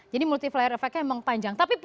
jadi multiplier effectnya memang panjang